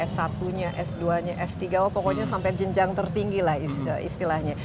s satu nya s dua nya s tiga oh pokoknya sampai jenjang tertinggi lah istilahnya